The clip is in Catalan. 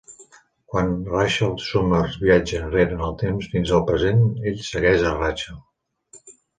Quan Rachel Summers viatja enrere en el temps fins al present, ell segueix a Rachel.